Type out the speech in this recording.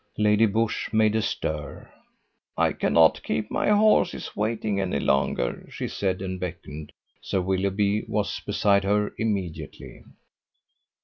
Lady Busshe made a stir. "I cannot keep my horses waiting any longer," she said, and beckoned. Sir Willoughby was beside her immediately.